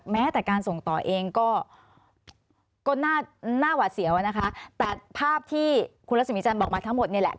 แม้แต่การส่งต่อเองก็น่าหวาดเสียวนะคะแต่ภาพที่คุณรัศมีจันทร์บอกมาทั้งหมดนี่แหละ